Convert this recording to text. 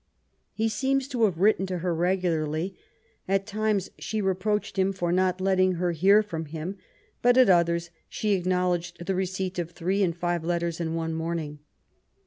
He seems to have written to her regularly. At times she reproached him for not letting her hear from him, but at others she acknowledged the receipt of three and five letters in one morning.